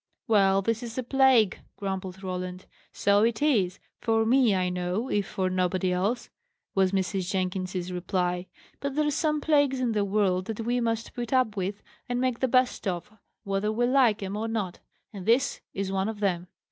"Well, this is a plague!" grumbled Roland. "So it is for me, I know, if for nobody else," was Mrs. Jenkins's reply. "But there's some plagues in the world that we must put up with, and make the best of, whether we like 'em or not; and this is one of them.